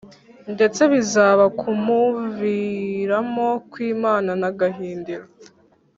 ndetse biza kumuviramo kwimana na Gahindiro.